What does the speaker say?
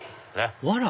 わら？